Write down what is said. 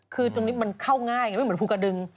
คือตรงนี้มันเข้าง่ายไงไม่เหมือนภูกระดึง